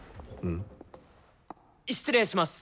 失礼します。